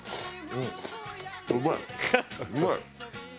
うまい。